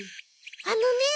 あのね